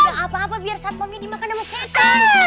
gak apa apa biar saat mami dimakan sama setan